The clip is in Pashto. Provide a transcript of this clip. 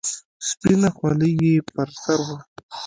سپينه خولۍ يې پر سر وه.